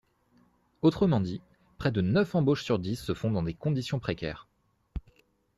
Autrement dit, près de neuf embauches sur dix se font dans des conditions précaires.